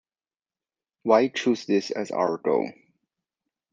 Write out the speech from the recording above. Why choose this as our goal?